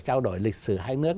trao đổi lịch sử hai nước